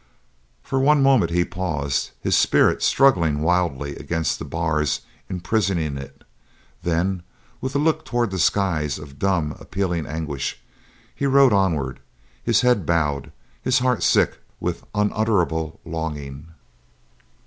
For one moment he paused, his spirit struggling wildly against the bars imprisoning it; then, with a look towards the skies of dumb, appealing anguish, he rode onward, his head bowed, his heart sick with unutterable longing.